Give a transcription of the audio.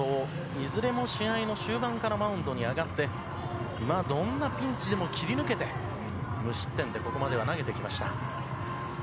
いずれも試合の終盤からマウンドに上がって、どんなピンチでも切り抜けて、無失点で、ここまでは投げてきました。